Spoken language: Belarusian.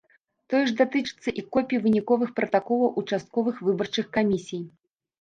Тое ж датычыцца і копій выніковых пратаколаў участковых выбарчых камісій.